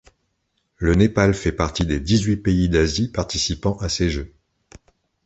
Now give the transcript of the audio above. Le Népal fait partie des dix-huit pays d'Asie participant à ces Jeux.